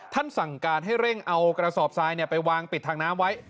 สั่งการให้เร่งเอากระสอบทรายไปวางปิดทางน้ำไว้